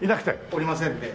おりませんで。